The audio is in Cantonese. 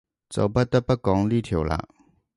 就不得不講呢條喇